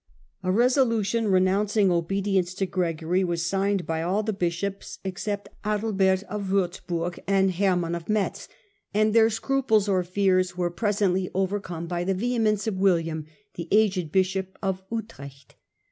A reso lution renouncing obedience to Gregory was signed by all the bishops, except Adalbert of Wurzburg and Digitized by GcD^qIc 1 1 6 HiLDEDRAND Herman of Metz, and their scruples or fears were pre sently overcome by the vehemence of William, the aged bishop of Utrecht.